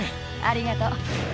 ありがとう。